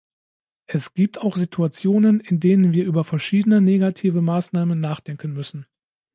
Es gibt auch Situationen, in denen wir über verschiedene negative Maßnahmen nachdenken müssen.